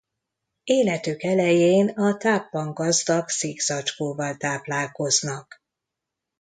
Életük elején a tápban gazdag szikzacskóval táplálkoznak.